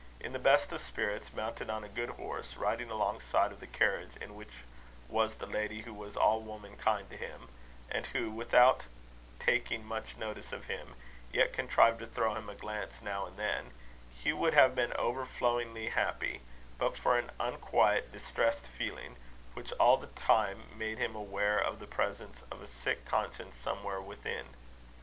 In the best of spirits, mounted on a good horse, riding alongside of the carriage in which was the lady who was all womankind to him, and who, without taking much notice of him, yet contrived to throw him a glance now and then, Hugh would have been overflowingly happy, but for an unquiet, distressed feeling, which all the time made him aware of the presence of a sick conscience somewhere within.